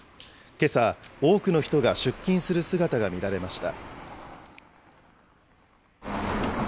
けさ、多くの人が出勤する姿が見られました。